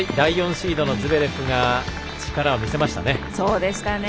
シードのズベレフが力を見せましたね。